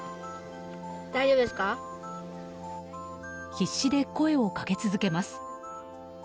必死で声をかけ続けます。